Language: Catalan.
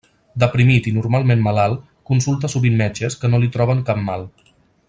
Deprimit i normalment malalt, consulta sovint metges que no li troben cap mal.